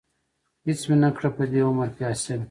هېڅ مې نه کړه په دې عمر کې حاصل.